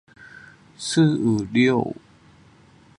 四五六